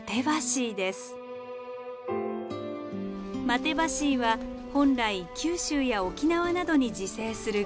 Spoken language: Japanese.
マテバシイは本来九州や沖縄などに自生する木。